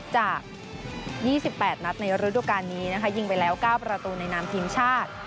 จาก๒๘นัทในฤดูการณ์นี้ยิงไปแล้วก้าวประตูในนามทีมชาติ